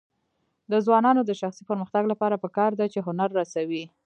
د ځوانانو د شخصي پرمختګ لپاره پکار ده چې هنر رسوي.